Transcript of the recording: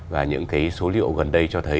và những cái số liệu gần đây cho thấy